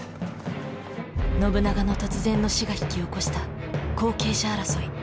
信長の突然の死が引き起こした後継者争い。